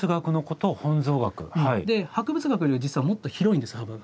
で博物学より実はもっと広いんです幅が。